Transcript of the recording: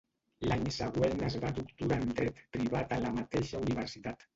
L'any següent es va doctorar en dret privat a la mateixa universitat.